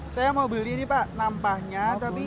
saya mau beli nih pak nampahnya